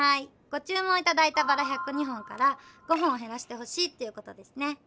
ごちゅう文いただいたバラ１０２本から５本へらしてほしいっていうことですね。